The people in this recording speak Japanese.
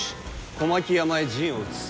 小牧山へ陣を移すぞ。